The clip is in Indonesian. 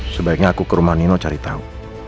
sebaiknya aku ke rumah nino cari tahu